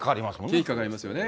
経費かかりますよね。